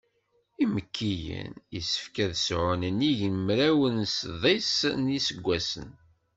Imekkiyen, yessefk ad sɛun nnig n mraw d sḍis n yiseggasen.